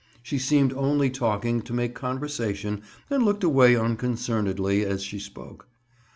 She seemed only talking to make conversation and looked away unconcernedly as she spoke.